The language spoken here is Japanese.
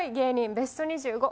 ベスト２５。